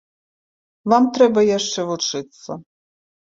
Вам трэба яшчэ вучыцца.